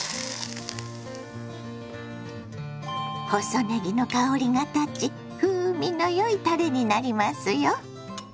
細ねぎの香りが立ち風味のよいたれになりますよ。